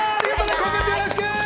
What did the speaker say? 今月よろしく！